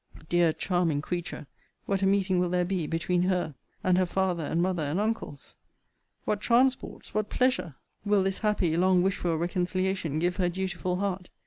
Dear charming creature! What a meeting will there be between her and her father and mother and uncles! What transports, what pleasure, will this happy, long wished for reconciliation give her dutiful heart!